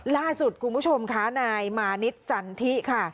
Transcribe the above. ล่าสุดคุณผู้ชมค่ะนายมานิดสันทิค่ะ